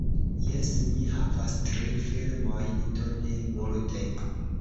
Jes, mi havas tri filmojn, do ne multe